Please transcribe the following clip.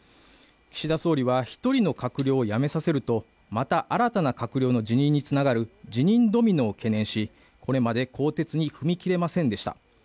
岸田総理は１人の閣僚を辞めさせると、また新たな閣僚の辞任につながる辞任ドミノを懸念しこれまで更迭に踏み切れませんでした。